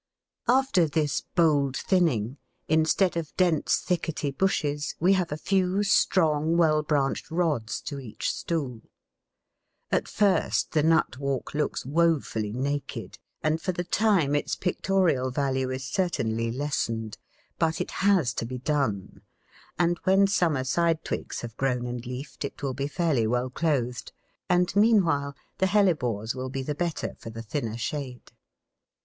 After this bold thinning, instead of dense thickety bushes we have a few strong, well branched rods to each stool. At first the nut walk looks wofully naked, and for the time its pictorial value is certainly lessened; but it has to be done, and when summer side twigs have grown and leafed, it will be fairly well clothed, and meanwhile the Hellebores will be the better for the thinner shade.